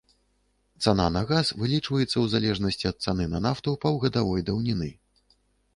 Цана на газ вылічваецца ў залежнасці ад цаны на нафту паўгадавой даўніны.